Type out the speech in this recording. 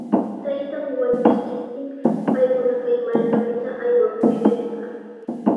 Taytan wañuskiptin paykuna kay markapita aywakuyashqa.